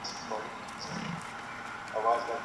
عدالت له ظلم غوره دی.